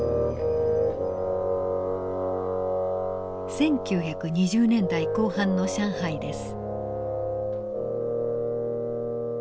１９２０年代後半の上海です。